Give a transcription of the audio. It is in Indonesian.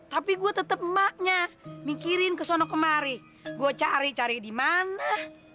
tetep maknya mikirin kesono kemari gua cari cari dimana